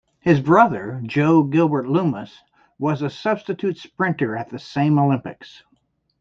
His brother, Jo Gilbert Loomis, was a substitute sprinter at the same Olympics.